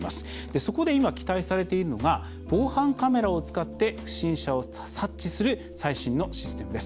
そこで今、期待されているのが防犯カメラを使って不審者を察知する最新のシステムです。